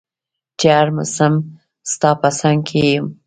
چي هر مسم ستا په څنګ کي يم